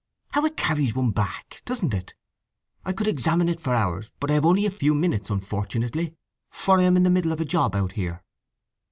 How it carries one back, doesn't it! I could examine it for hours, but I have only a few minutes, unfortunately; for I am in the middle of a job out here."